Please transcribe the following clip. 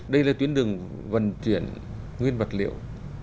đây là tuyến đường vận chuyển nguyên vật liệu